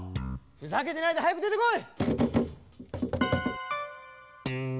ふざけてないではやくでてこい！